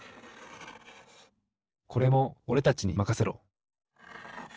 これもおれたちにまかせろ！